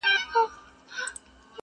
• دلته سرتورو په ښراکلونه وپېیله -